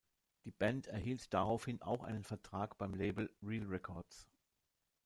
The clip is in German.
Die Band erhielt daraufhin auch einen Vertrag beim Label „Real Records“.